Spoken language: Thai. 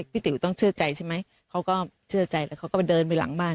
ติ๋วต้องเชื่อใจใช่ไหมเขาก็เชื่อใจแล้วเขาก็ไปเดินไปหลังบ้าน